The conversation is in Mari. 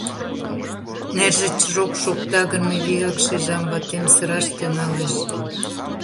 Нерже чжок шокта гын, мый вигак шижам — ватем сыраш тӱҥалеш.